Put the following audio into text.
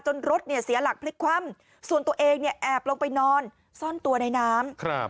จนรถเสียหลักพลิกคว้ำส่วนตัวเองแอบลงไปนอนซ่อนตัวในน้ำ